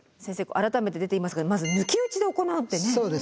改めて出ていますがまず抜き打ちで行うってね。